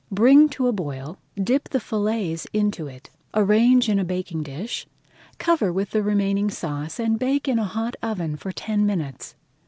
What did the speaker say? Bring to the boil, dip the fillets into it, arrange in a baking dish, cover with the remaining sauce and bake in a hot oven for ten minutes.